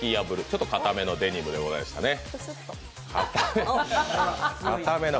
ちょっと硬めのデニムでございましたね。